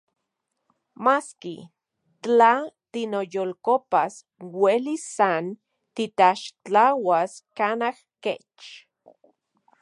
Maski, tla timoyolkopas, uelis san titlaxtlauas kanaj kech.